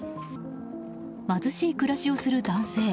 貧しい暮らしをする男性。